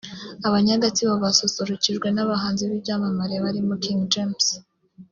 Abanya-Gatsibo basusurukijwe n'abahanzi b'ibyamamare barimo King James